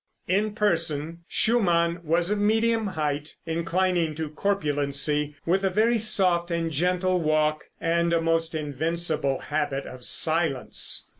] In person Schumann was of medium height, inclining to corpulency, with a very soft and gentle walk and a most invincible habit of silence.